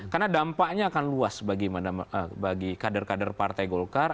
karena dampaknya akan luas bagi kader kader partai golkar